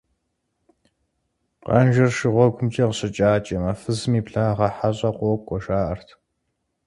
Къанжэр шыгъуэгумкӀэ къыщыкӀакӀэмэ, фызым и благъэ хьэщӀэ къокӀуэ, жаӀэрт.